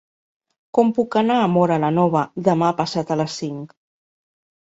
Com puc anar a Móra la Nova demà passat a les cinc?